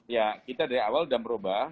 ya kita dari awal sudah berubah